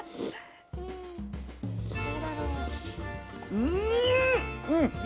うん！